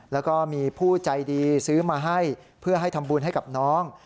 แล้วก็มีผู้ใจดีซื้อมาให้เพื่อให้ทำบุญให้กับน้อง